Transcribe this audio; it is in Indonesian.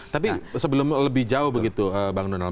tapi sebelum lebih jauh begitu bang donald